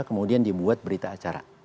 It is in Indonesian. kemudian dibuat berita acara